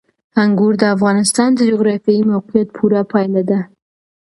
انګور د افغانستان د جغرافیایي موقیعت پوره پایله ده.